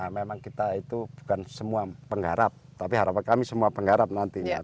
memang kita itu bukan semua penggarap tapi harapan kami semua penggarap nantinya